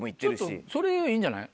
ちょっとそれいいんじゃない？